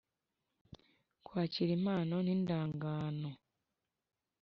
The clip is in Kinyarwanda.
kwakira impano n indangano